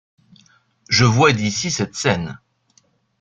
Je vois d’ici cette scène.